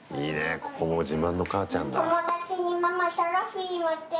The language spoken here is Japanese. ここも自慢の母ちゃんだ。